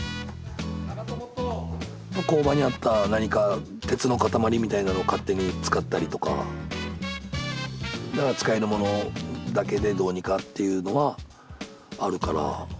工場にあった何か鉄の塊みたいなのを勝手に使ったりとかだから使えるものだけでどうにかっていうのはあるから。